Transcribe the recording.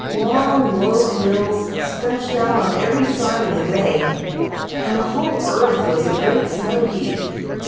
Long, low hills stretched out on every side of the bay, and the whole earth was a great snow heap.